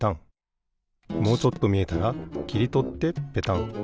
もうちょっとみえたらきりとってペタン。